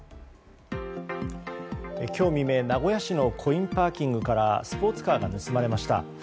今日未明名古屋市のコインパーキングからスポーツカーが盗まれました。